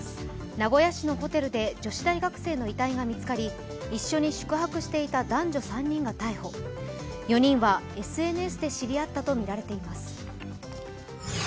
名古屋市のホテルで女子大学生の遺体が見つかり一緒に宿泊していた男女３人が逮捕４人はＳＮＳで知り合ったとみられています。